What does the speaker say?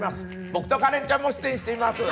僕とカレンちゃんも出演しています。